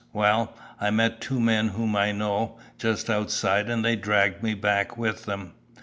Well, I met two men whom I know, just outside, and they dragged me back with them.